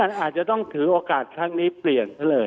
ซึ่งอาจจะต้องถือโอกาสทางนี้เปลี่ยนเท่าเลย